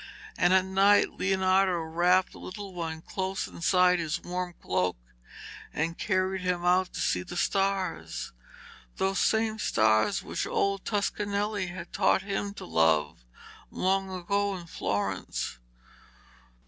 And at night Leonardo wrapped the little one close inside his warm cloak and carried him out to see the stars those same stars which old Toscanelli had taught him to love long ago in Florence.